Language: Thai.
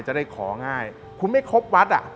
จะได้ของง่ายคุณไม่ครบวัดอ่ะ